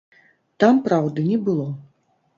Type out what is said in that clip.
Там праўды не было.